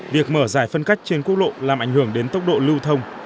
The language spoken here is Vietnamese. việc mở giải phân cách trên quốc lộ làm ảnh hưởng đến tốc độ lưu thông